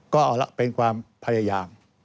ก็เอาละเป็นความพยายาม